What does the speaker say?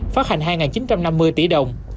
phát hành hai chín trăm năm mươi tỷ đồng